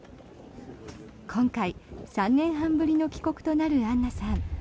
今回、３年半ぶりの帰国となるアンナさん。